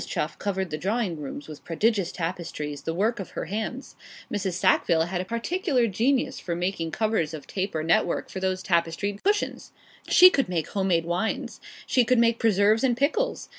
Chuff covered the drawing rooms with prodigious tapestries, the work of her hands. Mrs. Sackville had a particular genius for making covers of tape or network for these tapestried cushions. She could make home made wines. She could make preserves and pickles.